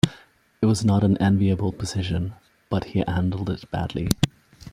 It was not an enviable position, but he handled it badly.